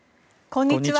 こんにちは。